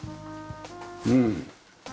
うん。